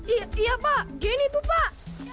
iya pak jenny itu pak